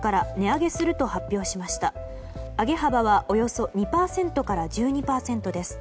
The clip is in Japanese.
上げ幅はおよそ２％から１２％です。